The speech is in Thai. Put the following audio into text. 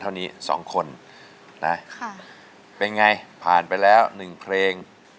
เท่านี้สองคนนะค่ะเป็นไงผ่านไปแล้ว๑เพลง